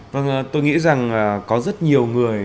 vâng tôi nghĩ rằng có rất nhiều người